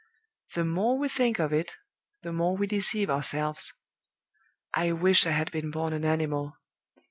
The more we think of it, the more we deceive ourselves. I wish I had been born an animal.